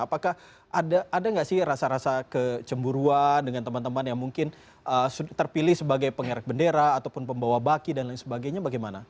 apakah ada nggak sih rasa rasa kecemburuan dengan teman teman yang mungkin terpilih sebagai pengerek bendera ataupun pembawa baki dan lain sebagainya bagaimana